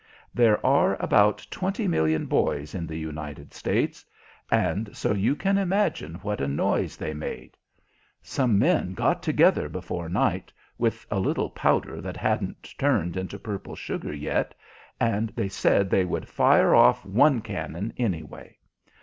There are about twenty million boys in the United States, and so you can imagine what a noise they made. Some men got together before night, with a little powder that hadn't turned into purple sugar yet, and they said they would fire off one cannon, anyway.